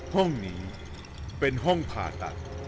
ห้องนี้เป็นห้องผ่าตัด